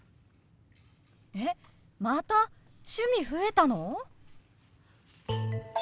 えっまた趣味増えたの！？